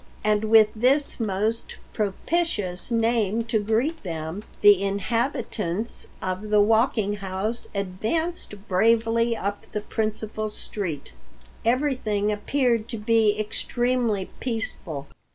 And with this most propitious name to greet them, the inhabitants of the Walking House advanced bravely up the principal street. Everything appeared to be extremely peaceful.